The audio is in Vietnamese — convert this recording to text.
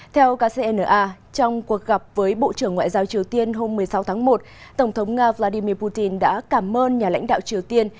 theo kcna trong cuộc gặp với bộ trưởng ngoại giao triều tiên hôm một mươi sáu tháng một tổng thống nga vladimir putin đã cảm ơn nhà lãnh đạo triều tiên